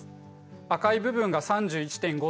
赤い部分が３１．５℃。